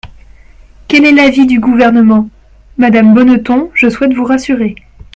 Quel est l’avis du Gouvernement ? Madame Bonneton, je souhaite vous rassurer.